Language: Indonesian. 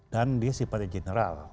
dan dia sifatnya general